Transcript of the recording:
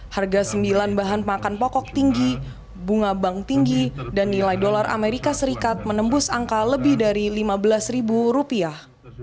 harga sembilan bahan makan pokok tinggi bunga bank tinggi dan nilai dolar amerika serikat menembus angka lebih dari lima belas ribu rupiah